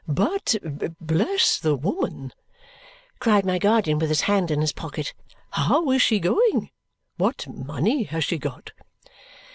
"But, bless the woman," cried my guardian with his hand in his pocket, "how is she going? What money has she got?"